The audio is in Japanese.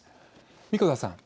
神子田さん